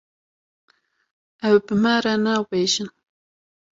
Ew bi me re nabêjin.